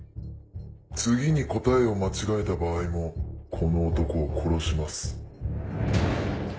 次に答えを間違えた場合もこの男を殺します。